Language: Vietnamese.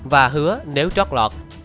và hứa nếu trót lọt